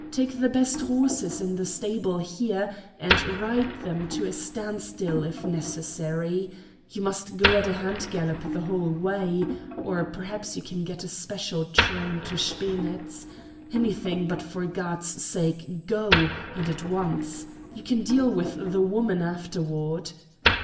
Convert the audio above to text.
Take the best horses in the stables here and ride them to a standstill, if necessary. You must go at a hand gallop the whole way: or perhaps you can get a special train to Spenitz. Anything, but for God's sake go and at once. You can deal with the woman afterward."